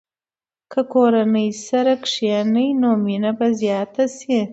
که کورنۍ سره کښېني، نو مینه به زیاته شي.